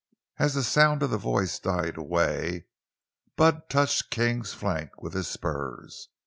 As the sound of the voice died away, Bud touched King's flank with the spurs.